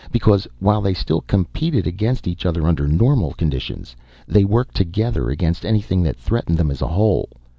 Because while they still competed against each other under normal conditions, they worked together against anything that threatened them as a whole.